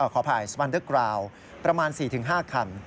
ขออภัยสปันเดอร์กราวประมาณ๔๕คัน